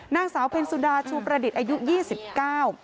นางสาวเพ็ญสุดาชูประดิษฐ์อายุยี่สิบเก้า